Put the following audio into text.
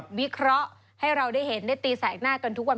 วิเคราะห์ให้เราได้เห็นได้ตีแสกหน้ากันทุกวัน